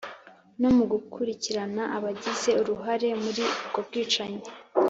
no mu gukurikirana abagize uruhare muri ubwo bwicanyi,